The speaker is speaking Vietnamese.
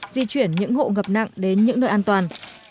di chuyển những hộ ngập nặng đến những nơi an toàn